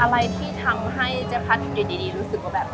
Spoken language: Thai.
อะไรที่ทำให้เจ๊พัดอยู่ดีรู้สึกว่าแบบ